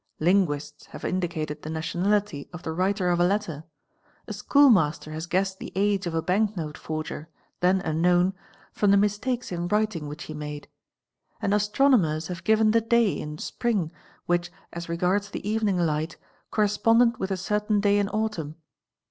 linguists have indicated the nationality of the writer of a letter ;@ schoolmaster has guessed the age of a bank note forger, then unknown, ym the mistakes in writing which he made; and astronomers have ven the day in spring which, as regards the evening light, corresponded th a certain day in autumn.